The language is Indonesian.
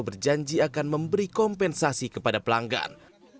berjanji akan memberi kompensasi kepada pelanggan